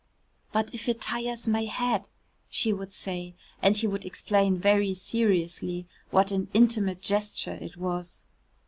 "But if it tires my head," she would say, and he would explain very seriously what an intimate gesture it was.